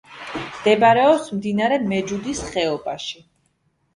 მდებარეობს მდინარე მეჯუდის ხეობაში.